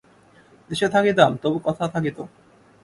দেশে থাকিতাম তবু কথা থাকিত।